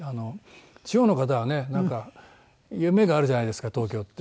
地方の方はねなんか夢があるじゃないですか東京って。